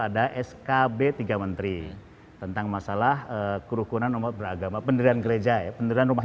ada skb tiga menteri tentang masalah kerukunan umat beragama pendirian gereja ya pendirian rumah